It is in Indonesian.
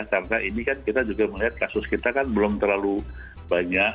karena ini kan kita juga melihat kasus kita kan belum terlalu banyak